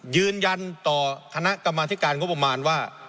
ยืนยันต่อคณะกรรมธิการงบประมาณว่า